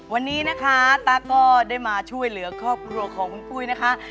วันนี้นะคะตั๊กก็ได้มาช่วยเหลือครอบครัวของคุณปุ้ยนะคะ